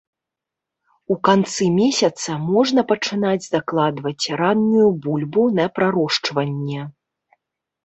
У канцы месяца можна пачынаць закладваць раннюю бульбу на прарошчванне.